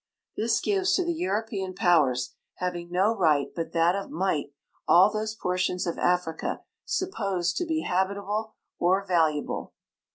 This gives to the European powers, having no right but that of might, all those j^ortions of Africa supposed to be habitable or valuable.